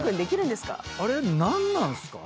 あれ何なんすか？